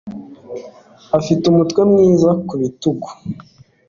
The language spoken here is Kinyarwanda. Afite umutwe mwiza ku bitugu